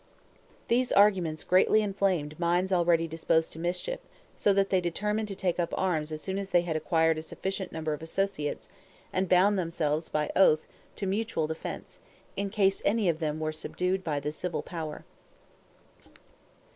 These arguments greatly inflamed minds already disposed to mischief, so that they determined to take up arms as soon as they had acquired a sufficient number of associates, and bound themselves by oath to mutual defense, in case any of them were subdued by the civil power.